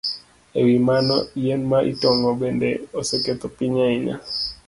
E wi mano, yien ma itong'o bende oseketho piny ahinya.